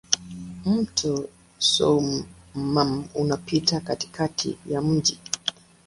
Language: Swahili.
Mto Soummam unapita katikati ya mji.